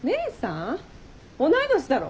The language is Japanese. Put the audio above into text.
同い年だろ。